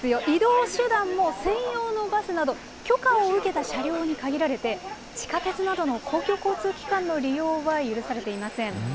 移動手段も専用のバスなど、許可を受けた車両に限られて、地下鉄などの公共交通機関の利用は許されていません。